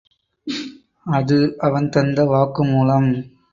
அது அவன் தந்த வாக்குமூலம்.